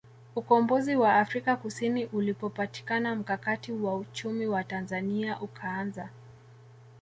Ukombozi wa Afrika Kusini ulipopatikana mkakati wa uchumi wa Tanzania ukaanza